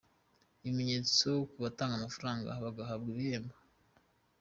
Ibimenyetso ku batanga amafaranga bagahabwa ibihembo’.